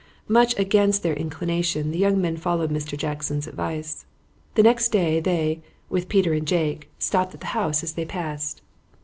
Much against their inclination the young men followed Mr. Jackson's advice. The next day they, with Peter and Jake, stopped at the house as they passed.